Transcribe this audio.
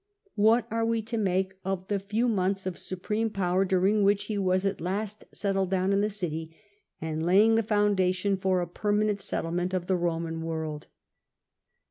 What are we to make of the few months of supreme power, during which he was at last settled down in the city,^ and laying the fouiidation for a permanent settlement of the Eoman world